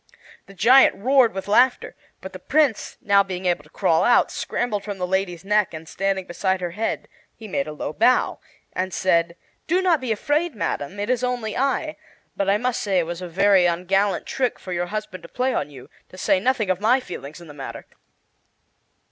The giant roared with laughter, but the Prince, now being able to crawl out, scrambled from the lady's neck, and, standing beside her head, he made a low bow and said: "Do not be afraid, Madam; it is only I. But I must say it was a very ungallant trick for your husband to play on you, to say nothing of my feelings in the matter."